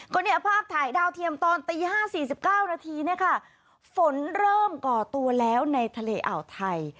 ก็เนี่ยภาพถ่ายดาวเทียมตอนตี๕๔๙นาทีเนี่ยค่ะฝนเริ่มก่อตัวแล้วในทะเลอ่าวไทย